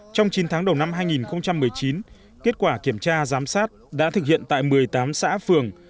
trong chín tháng đầu năm hai nghìn một mươi chín kết quả kiểm tra giám sát đã thực hiện tại một mươi tám xã phường